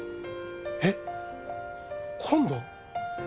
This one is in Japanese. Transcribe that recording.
えっ？今度？